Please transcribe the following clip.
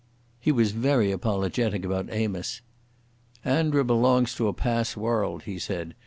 He was very apologetic about Amos. "Andra belongs to a past worrld," he said.